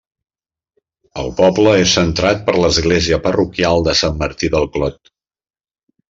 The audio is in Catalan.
El poble és centrat per l'església parroquial de Sant Martí del Clot.